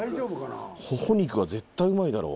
ホホ肉は絶対うまいだろ。